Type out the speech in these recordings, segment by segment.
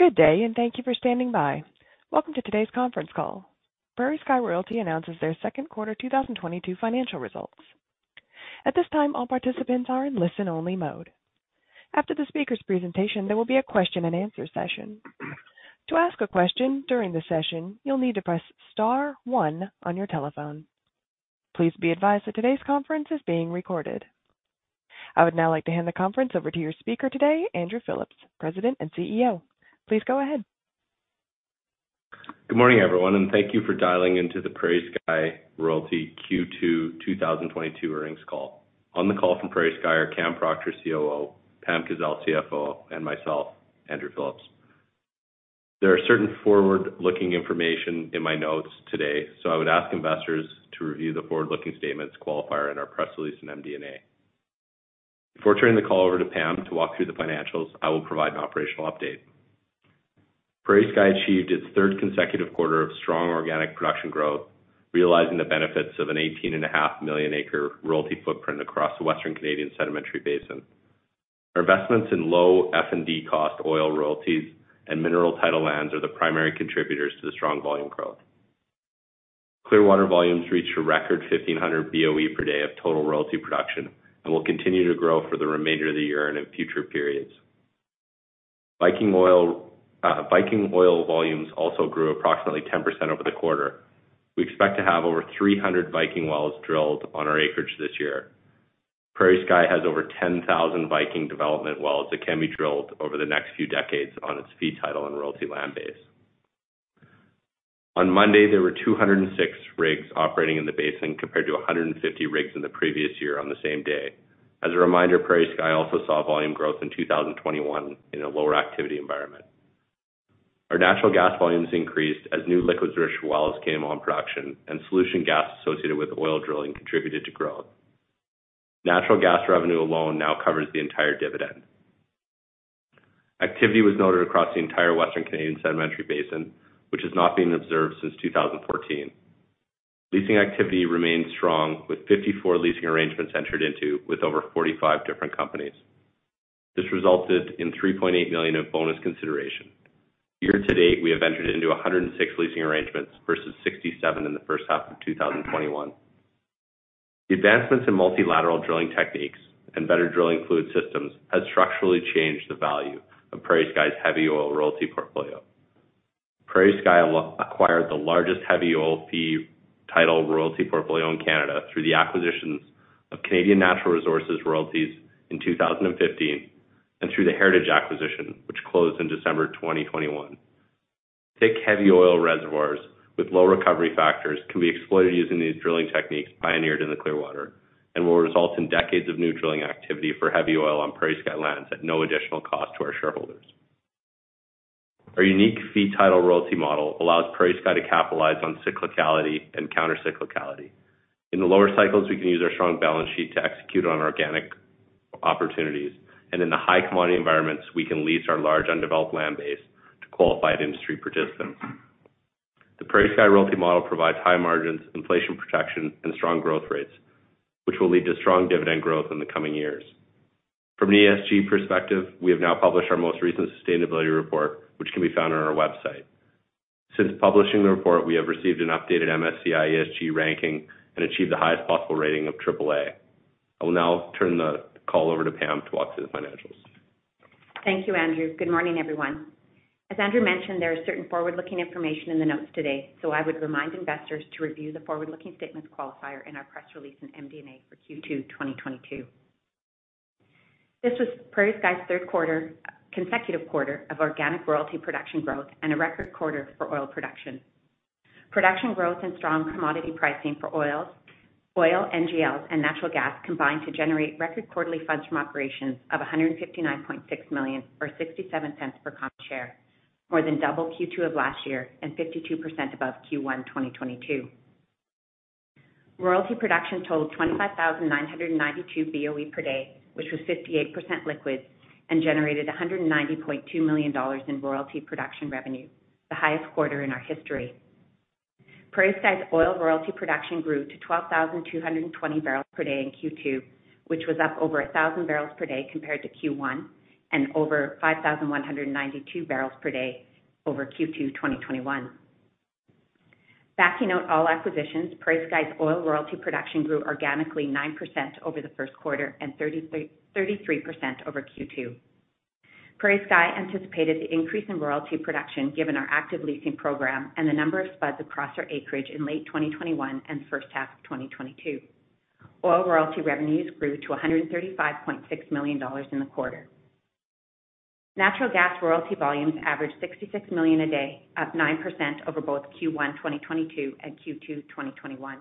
Good day, and thank you for standing by. Welcome to today's conference call. PrairieSky Royalty Ltd announces their second quarter 2022 financial results. At this time, all participants are in listen-only mode. After the speaker's presentation, there will be a question-and-answer session. To ask a question during the session, you'll need to press star one on your telephone. Please be advised that today's conference is being recorded. I would now like to hand the conference over to your speaker today, Andrew Phillips, President and CEO. Please go ahead. Good morning, everyone, and thank you for dialing into the PrairieSky Royalty Q2 2022 Earnings Call. On the call from PrairieSky are Cam Proctor, COO, Pam Kazeil, CFO, and myself, Andrew Phillips. There are certain forward-looking information in my notes today, so I would ask investors to review the forward-looking statements qualifier in our press release in MD&A. Before turning the call over to Pam to walk through the financials, I will provide an operational update. PrairieSky achieved its third consecutive quarter of strong organic production growth, realizing the benefits of an 18.5 million acres royalty footprint across the Western Canadian Sedimentary Basin. Our investments in low F&D cost oil royalties and mineral title lands are the primary contributors to the strong volume growth. Clearwater volumes reached a record 1,500 BOE/d of total royalty production and will continue to grow for the remainder of the year and in future periods. Viking oil volumes also grew approximately 10% over the quarter. We expect to have over 300 Viking wells drilled on our acreage this year. PrairieSky has over 10,000 Viking development wells that can be drilled over the next few decades on its fee title and royalty land base. On Monday, there were 206 rigs operating in the basin, compared to 150 rigs in the previous year on the same day. As a reminder, PrairieSky also saw volume growth in 2021 in a lower activity environment. Our natural gas volumes increased as new liquids-rich wells came on production and solution gas associated with oil drilling contributed to growth. Natural gas revenue alone now covers the entire dividend. Activity was noted across the entire Western Canadian Sedimentary Basin, which has not been observed since 2014. Leasing activity remains strong, with 54 leasing arrangements entered into with over 45 different companies. This resulted in 3.8 million of bonus consideration. Year to date, we have entered into 106 leasing arrangements versus 67 in the first half of 2021. The advancements in multilateral drilling techniques and better drilling fluid systems has structurally changed the value of PrairieSky's heavy oil royalty portfolio. PrairieSky acquired the largest heavy oil fee title royalty portfolio in Canada through the acquisitions of Canadian Natural Resources royalties in 2015 and through the Heritage Royalty acquisition, which closed in December 2021. Thick heavy oil reservoirs with low recovery factors can be exploited using these drilling techniques pioneered in the Clearwater and will result in decades of new drilling activity for heavy oil on PrairieSky lands at no additional cost to our shareholders. Our unique fee title royalty model allows PrairieSky to capitalize on cyclicality and counter-cyclicality. In the lower cycles, we can use our strong balance sheet to execute on organic opportunities, and in the high commodity environments, we can lease our large undeveloped land base to qualified industry participants. The PrairieSky royalty model provides high margins, inflation protection, and strong growth rates, which will lead to strong dividend growth in the coming years. From an ESG perspective, we have now published our most recent sustainability report, which can be found on our website. Since publishing the report, we have received an updated MSCI ESG ranking and achieved the highest possible rating of triple A. I will now turn the call over to Pam to walk through the financials. Thank you, Andrew. Good morning, everyone. As Andrew mentioned, there is certain forward-looking information in the notes today, so I would remind investors to review the forward-looking statements qualifier in our press release in MD&A for Q2 2022. This was PrairieSky's third consecutive quarter of organic royalty production growth and a record quarter for oil production. Production growth and strong commodity pricing for oil, NGLs, and natural gas combined to generate record quarterly funds from operations of 159.6 million or 0.67 per common share, more than double Q2 of last year and 52% above Q1 2022. Royalty production totaled 25,992 BOE/d, which was 58% liquid and generated 190.2 million dollars in royalty production revenue, the highest quarter in our history. PrairieSky's oil royalty production grew to 12,220 barrels per day in Q2, which was up over 1,000 barrels per day compared to Q1 and over 5,192 barrels per day over Q2 2021. Backing out all acquisitions, PrairieSky's oil royalty production grew organically 9% over the first quarter and 33% over Q2. PrairieSky anticipated the increase in royalty production given our active leasing program and the number of Spuds across our acreage in late 2021 and the first half of 2022. Oil royalty revenues grew to 135.6 million dollars in the quarter. Natural gas royalty volumes averaged 66 million a day, up 9% over both Q1 2022 and Q2 2021.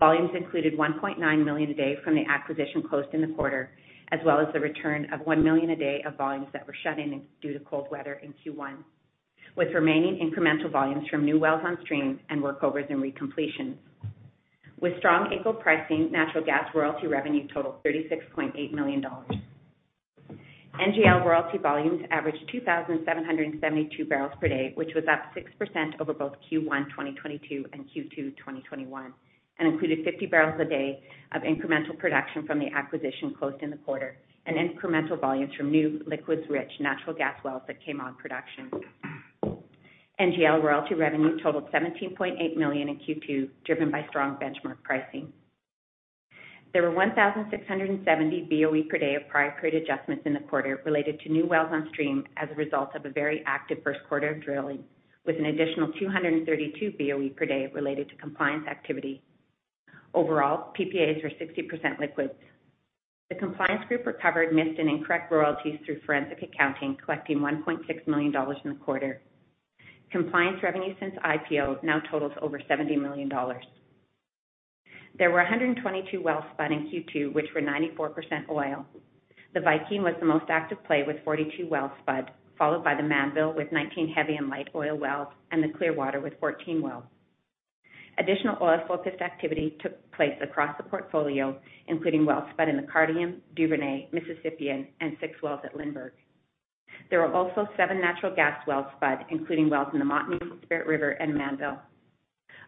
Volumes included 1.9 million a day from the acquisition closed in the quarter, as well as the return of 1 million a day of volumes that were shut in due to cold weather in Q1, with remaining incremental volumes from new wells on stream and workovers and recompletions. With strong AECO pricing, natural gas royalty revenue totaled 36.8 million dollars. NGL royalty volumes averaged 2,772 barrels per day, which was up 6% over both Q1 2022 and Q2 2021, and included 50 barrels a day of incremental production from the acquisition closed in the quarter and incremental volumes from new liquids-rich natural gas wells that came on production. NGL royalty revenue totaled 17.8 million in Q2, driven by strong benchmark pricing. There were 1,670 BOE/d of prior period adjustments in the quarter related to new wells on stream as a result of a very active first quarter of drilling, with an additional 232 BOE/d related to compliance activity. Overall, PPAs were 60% liquids. The compliance group recovered missed and incorrect royalties through forensic accounting, collecting 1.6 million dollars in the quarter. Compliance revenue since IPO now totals over 70 million dollars. There were 122 wells spud in Q2, which were 94% oil. The Viking was the most active play with 42 wells spud, followed by the Mannville with 19 heavy and light oil wells, and the Clearwater with 14 wells. Additional oil focused activity took place across the portfolio, including wells spud in the Cardium, Duvernay, Mississippian, and six wells at Lindbergh. There were also seven natural gas wells spud, including wells in the Montney, Spirit River, and Mannville.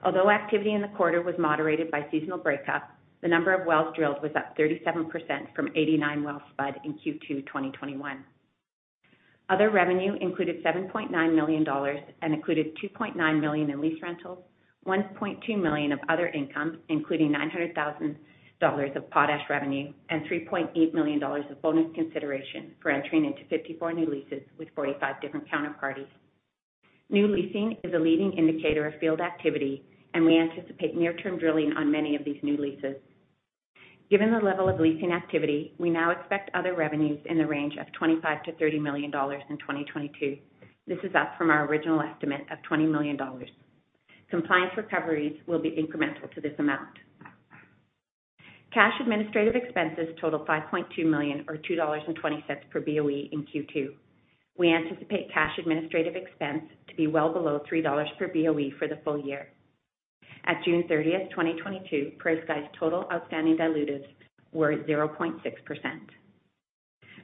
Although activity in the quarter was moderated by seasonal breakup, the number of wells drilled was up 37% from 89 wells spud in Q2 2021. Other revenue included 7.9 million dollars and included 2.9 million in lease rentals, 1.2 million of other income, including 900 thousand dollars of potash revenue, and 3.8 million dollars of bonus consideration for entering into 54 new leases with 45 different counterparties. New leasing is a leading indicator of field activity, and we anticipate near-term drilling on many of these new leases. Given the level of leasing activity, we now expect other revenues in the range of 25 million to 30 million dollars in 2022. This is up from our original estimate of 20 million dollars. Compliance recoveries will be incremental to this amount. Cash administrative expenses totaled 5.2 million or 2.20 dollars per BOE in Q2. We anticipate cash administrative expense to be well below 3 dollars per BOE for the full year. At June 30, 2022, PrairieSky's total outstanding dilutives were 0.6%.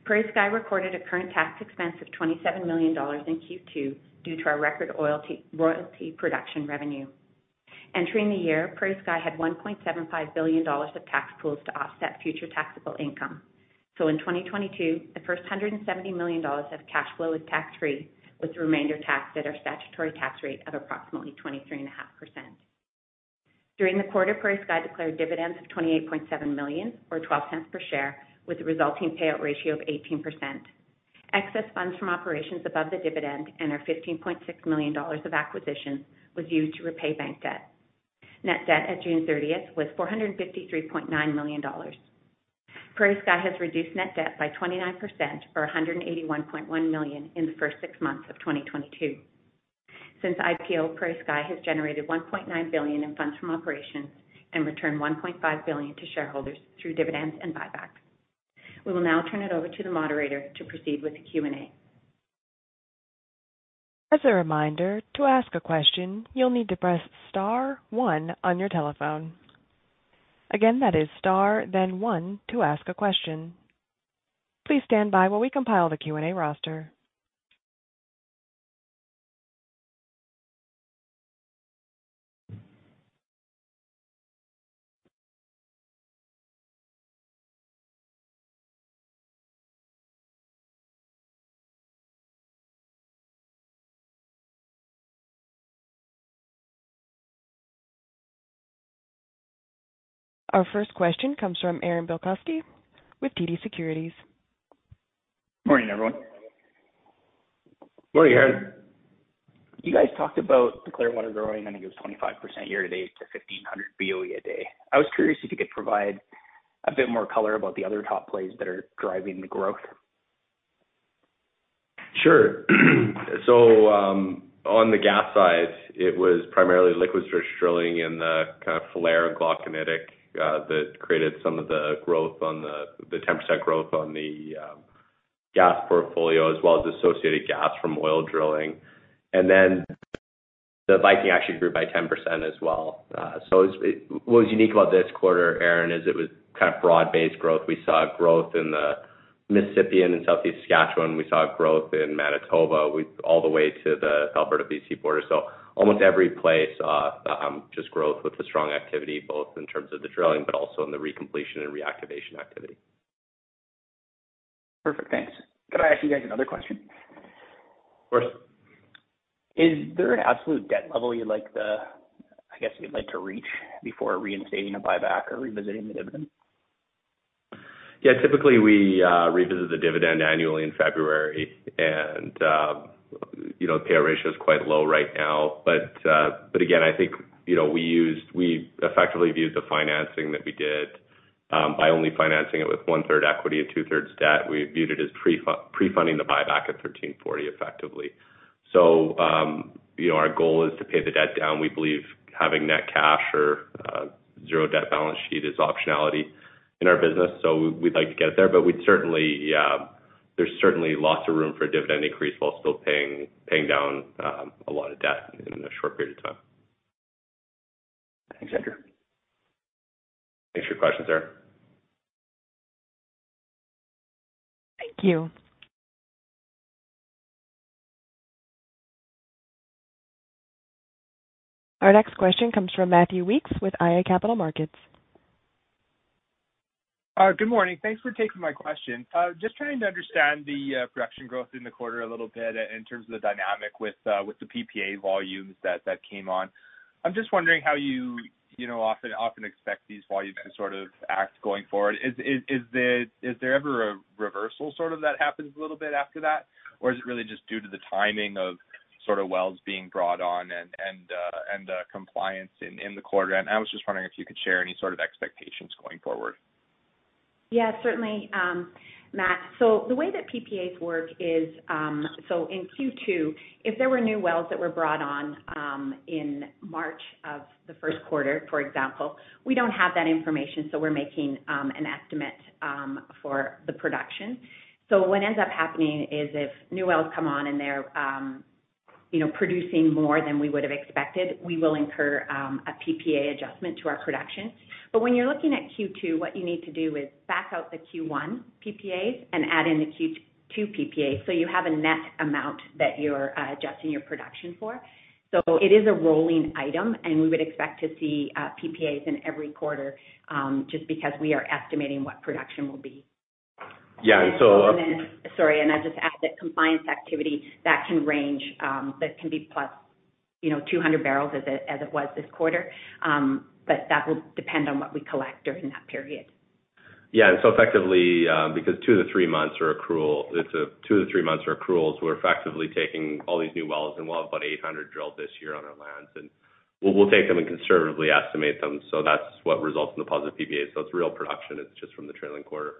PrairieSky recorded a current tax expense of 27 million dollars in Q2 due to our record oil royalty production revenue. Entering the year, PrairieSky had 1.75 billion dollars of tax pools to offset future taxable income. In 2022, the first 170 million dollars of cash flow is tax-free, with the remainder taxed at our statutory tax rate of approximately 23.5%. During the quarter, PrairieSky declared dividends of 28.7 million or 0.12 per share, with a resulting payout ratio of 18%. Excess funds from operations above the dividend and our 15.6 million dollars of acquisition was used to repay bank debt. Net debt at June 30 was 453.9 million dollars. PrairieSky has reduced net debt by 29% or 181.1 million in the first six months of 2022. Since IPO, PrairieSky has generated 1.9 billion in funds from operations and returned 1.5 billion to shareholders through dividends and buybacks. We will now turn it over to the moderator to proceed with the Q&A. As a reminder, to ask a question, you'll need to press star one on your telephone. Again, that is star, then one to ask a question. Please stand by while we compile the Q&A roster. Our first question comes from Aaron Bilkoski with TD Securities. Morning, everyone. Morning, Aaron. You guys talked about the Clearwater growing, I think it was 25% year to date to 1,500 BOE/d. I was curious if you could provide a bit more color about the other top plays that are driving the growth. Sure. On the gas side, it was primarily liquids drilling in the kind of Ellerslie/Glauconitic that created some of the growth on the ten percent growth on the gas portfolio, as well as associated gas from oil drilling. Then the Viking actually grew by ten percent as well. It's what was unique about this quarter, Aaron, is it was kind of broad-based growth. We saw growth in the Mississippian in Southeast Saskatchewan. We saw growth in Manitoba with all the way to the Alberta-BC border. Almost every place, just growth with the strong activity, both in terms of the drilling but also in the recompletion and reactivation activity. Perfect. Thanks. Could I ask you guys another question? Of course. Is there an absolute debt level you'd like the, I guess, you'd like to reach before reinstating a buyback or revisiting the dividend? Yeah, typically, we revisit the dividend annually in February, and you know, payout ratio is quite low right now. Again, I think you know, we effectively viewed the financing that we did by only financing it with one-third equity and two-thirds debt. We viewed it as pre-funding the buyback at 13.40 effectively. You know, our goal is to pay the debt down. We believe having net cash or zero debt balance sheet is optionality in our business. We'd like to get it there, but we'd certainly, there's certainly lots of room for a dividend increase while still paying down a lot of debt in a short period of time. Thanks, Andrew. Thanks for your question, sir. Thank you. Our next question comes from Matthew Weekes with iA Capital Markets. Good morning. Thanks for taking my question. Just trying to understand the production growth in the quarter a little bit in terms of the dynamic with the PPA volumes that came on. I'm just wondering how you know, often expect these volumes to sort of act going forward. Is there ever a reversal sort of that happens a little bit after that? Or is it really just due to the timing of sort of wells being brought on and compliance in the quarter? I was just wondering if you could share any sort of expectations going forward. Yeah, certainly, Matt. The way that PPAs work is, in Q2, if there were new wells that were brought on, in March of the first quarter, for example, we don't have that information, so we're making an estimate for the production. What ends up happening is if new wells come on and they're, you know, producing more than we would've expected, we will incur a PPA adjustment to our production. When you're looking at Q2, what you need to do is back out the Q1 PPAs and add in the Q2 PPA, so you have a net amount that you're adjusting your production for. It is a rolling item, and we would expect to see PPAs in every quarter, just because we are estimating what production will be. Yeah. I'll just add that compliance activity, that can range, that can be +200 barrels as it was this quarter. But that will depend on what we collect during that period. Yeah. Effectively, because two to three months are accruals, we're effectively taking all these new wells, and we'll have about 800 drilled this year on our lands. We'll take them and conservatively estimate them, that's what results in the positive PPAs. It's real production, it's just from the trailing quarter.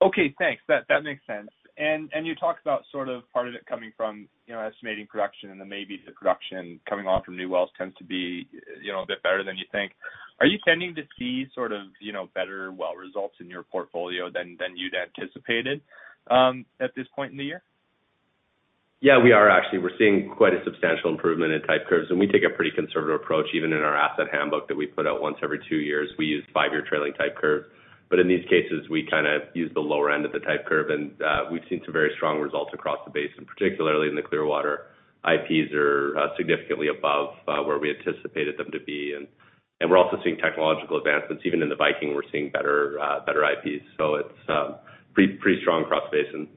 Okay, thanks. That makes sense. You talked about sort of part of it coming from, you know, estimating production and then maybe the production coming on from new wells tends to be, you know, a bit better than you think. Are you tending to see sort of, you know, better well results in your portfolio than you'd anticipated at this point in the year? Yeah, we are actually. We're seeing quite a substantial improvement in Type Curves, and we take a pretty conservative approach even in our asset handbook that we put out once every two years. We use five-year trailing Type Curves. In these cases, we kinda use the lower end of the Type Curve. We've seen some very strong results across the basin, particularly in the Clearwater. IPs are significantly above where we anticipated them to be. We're also seeing technological advancements. Even in the Viking, we're seeing better IPs. It's pretty strong across the basin.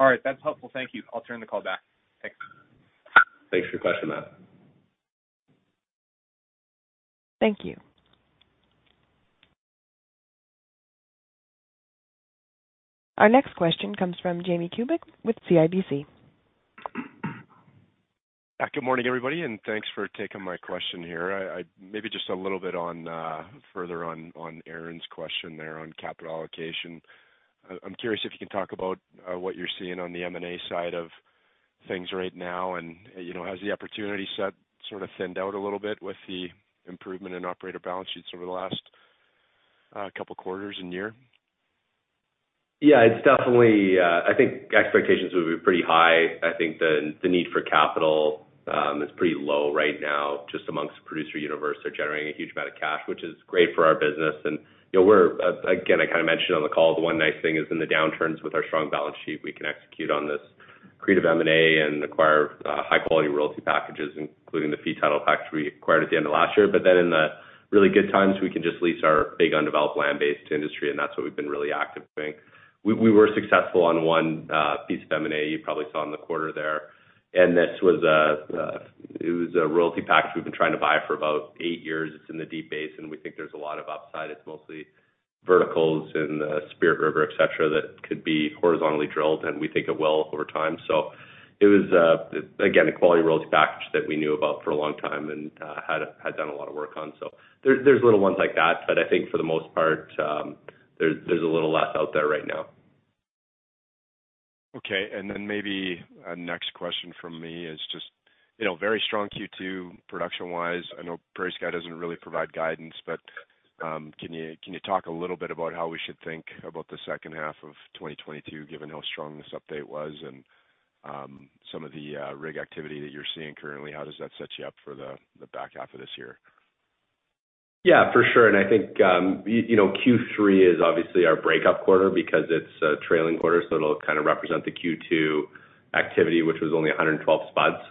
All right, that's helpful. Thank you. I'll turn the call back. Thanks. Thanks for your question, Matthew. Thank you. Our next question comes from Jamie Kubik with CIBC. Good morning, everybody, and thanks for taking my question here. Maybe just a little bit on further on Aaron's question there on capital allocation. I'm curious if you can talk about what you're seeing on the M&A side of things right now. You know, has the opportunity set sort of thinned out a little bit with the improvement in operator balance sheets over the last couple quarters and year? Yeah, it's definitely. I think expectations would be pretty high. I think the need for capital is pretty low right now just amongst the producer universe. They're generating a huge amount of cash, which is great for our business. You know, we're again, I kinda mentioned on the call, the one nice thing is in the downturns with our strong balance sheet, we can execute on this creative M&A and acquire high quality royalty packages, including the fee title package we acquired at the end of last year. In the really good times, we can just lease our big undeveloped land base to industry, and that's what we've been really active doing. We were successful on one piece of M&A you probably saw in the quarter there. This was a royalty package we've been trying to buy for about eight years. It's in the Deep Basin. We think there's a lot of upside. It's mostly verticals in the Spirit River, et cetera, that could be horizontally drilled, and we think it will over time. It was again a quality royalty package that we knew about for a long time and had done a lot of work on. There are little ones like that, but I think for the most part, there's a little less out there right now. Okay. Maybe a next question from me is just, you know, very strong Q2 production-wise. I know PrairieSky doesn't really provide guidance, but can you talk a little bit about how we should think about the second half of 2022, given how strong this update was and some of the rig activity that you're seeing currently? How does that set you up for the back half of this year? Yeah, for sure. I think, you know, Q3 is obviously our breakup quarter because it's a trailing quarter, so it'll kind of represent the Q2 activity, which was only 112 spots.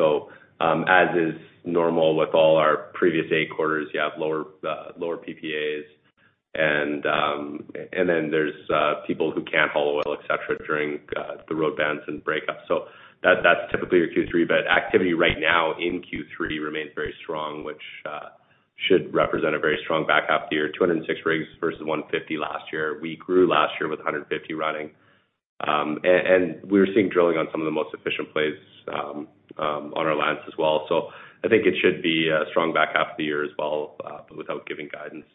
As is normal with all our previous eight quarters, you have lower PPAs and then there's people who can't haul oil, et cetera, during the road bans and breakups. That's typically your Q3. Activity right now in Q3 remains very strong, which should represent a very strong back half of the year. 206 rigs versus 150 last year. We grew last year with 150 running. We were seeing drilling on some of the most efficient plays on our lands as well. I think it should be a strong back half of the year as well, without giving guidance,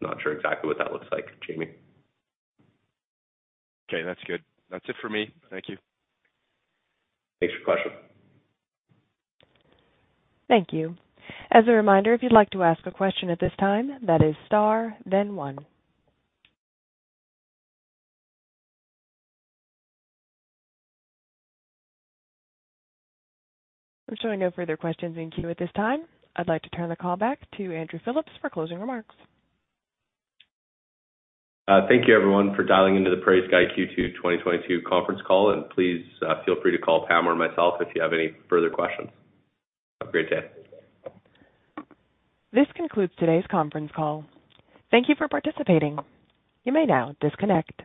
not sure exactly what that looks like, Jamie. Okay, that's good. That's it for me. Thank you. Thanks for your question. Thank you. As a reminder, if you'd like to ask a question at this time, that is star then one. We're showing no further questions in queue at this time. I'd like to turn the call back to Andrew Phillips for closing remarks. Thank you everyone for dialing into the PrairieSky Q2 2022 conference call. Please, feel free to call Pam or myself if you have any further questions. Have a great day. This concludes today's conference call. Thank you for participating. You may now disconnect.